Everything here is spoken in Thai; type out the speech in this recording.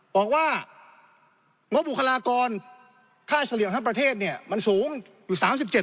บอกว่างบบุคลากรค่าเฉลี่ยของทั้งประเทศเนี่ยมันสูงอยู่๓๗